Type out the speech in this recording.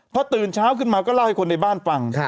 พอตื่นเช้าขึ้นมาก็เล่าให้คนในบ้านฟัง